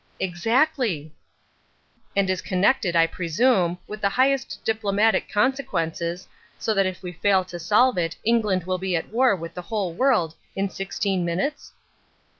"Exactly." "And it is connected, I presume, with the highest diplomatic consequences, so that if we fail to solve it England will be at war with the whole world in sixteen minutes?"